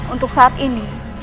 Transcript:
untuk saat ini